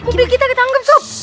mobi kita ditangkap sob